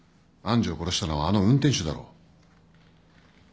愛珠を殺したのはあの運転手だろ。